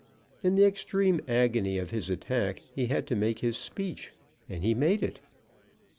In the extreme agony of his attack he had to make his speech, and he made it.